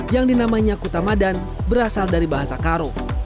yang dinamainya kuta madan berasal dari bahasa karo